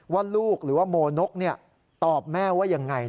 ว่าลูกหรือว่าโมนกตอบแม่ว่ายังไง